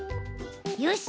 よし！